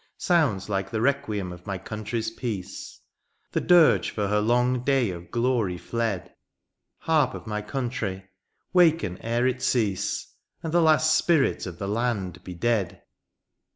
Sounds like the requiem of my country's peace^ The dirge for her long day of glory fled ; Harp of my country, waken ere it cease. And the last spirit of the land be dead